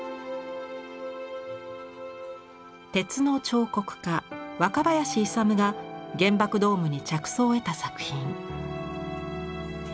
鉄の彫刻家若林奮が原爆ドームに着想を得た作品。